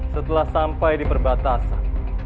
setelah sampai di perbatasan